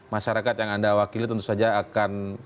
masyarakat yang anda wakili tentu saja akan